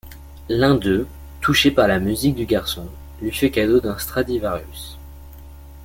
L'un d'eux, touché par la musique du garçon, lui fait cadeau d'un Stradivarius.